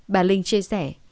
bà linh chia sẻ